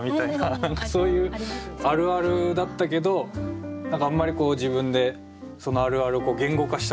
何かそういうあるあるだったけど何かあんまり自分でそのあるあるを言語化したことはなかったというか。